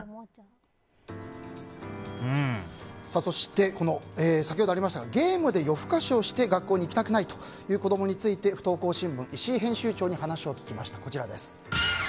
そして、先ほどありましたがゲームで夜更かしをして学校に行きたくないという子供について不登校新聞の石井編集長に話を聞きました。